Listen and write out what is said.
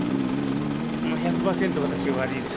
１００％私が悪いです。